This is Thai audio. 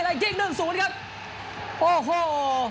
และกิ๊งหนึ่งสูงนะครับโอ้โห